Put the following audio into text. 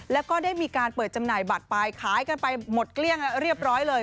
แล้วก็ได้มีการเปิดจำหน่ายบัตรไปขายกันไปหมดเกลี้ยงเรียบร้อยเลย